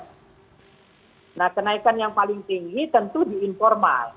karena kenaikan yang paling tinggi tentu di informal